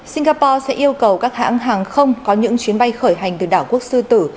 singapore sẽ yêu cầu các hãng hàng không có những chuyến bay khởi hành từ đảo quốc sư tử